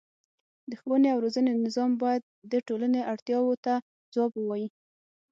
د ښوونې او روزنې نظام باید د ټولنې اړتیاوو ته ځواب ووايي.